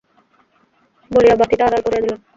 বলিয়া বাতিটা আড়াল করিয়া দিলেন।